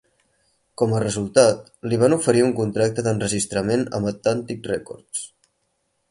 Com a resultat, li van oferir un contracte d'enregistrament amb Atlantic Records.